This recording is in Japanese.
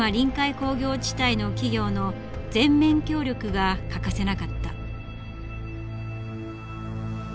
工業地帯の企業の全面協力が欠かせなかった。